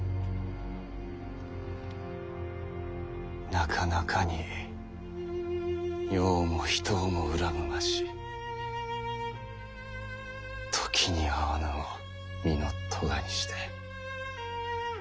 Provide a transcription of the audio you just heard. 「なかなかに世をも人をも恨むまじ時に合わぬを身の咎にして」。